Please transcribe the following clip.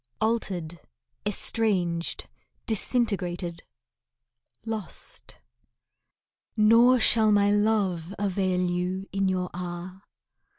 Altered, estranged, disintegrated, lost. Nor shall my love avail you in your hour.